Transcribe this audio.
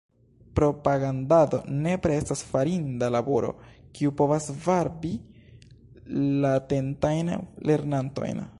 Propagandado nepre estas farinda laboro, kiu povas varbi latentajn lernantojn.